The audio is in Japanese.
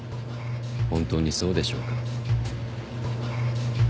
本当にそうでしょうか？